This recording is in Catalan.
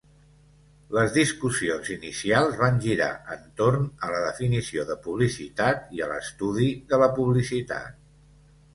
Les discussions inicials van girar entorn a la definició de publicitat i a l'estudi de la publicitat.